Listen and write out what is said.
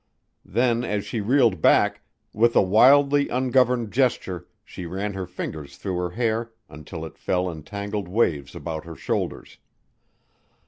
Then as she reeled back, with a wildly ungoverned gesture she ran her fingers through her hair until it fell in tangled waves about her shoulders.